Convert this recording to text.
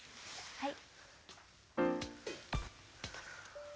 はい！